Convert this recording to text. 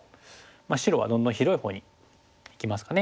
白はどんどん広いほうにいきますかね。